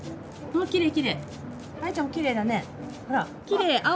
きれいきれい！